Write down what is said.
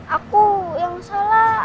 aku yang salah